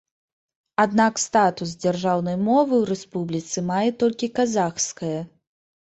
Аднак статус дзяржаўнай мовы ў рэспубліцы мае толькі казахская.